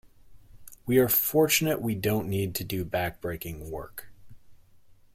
We are fortunate we don't need to do backbreaking work.